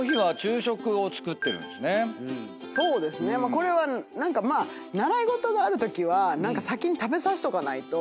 これは習い事があるときは先に食べさせとかないと。